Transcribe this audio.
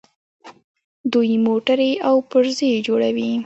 دوی موټرې او پرزې جوړوي.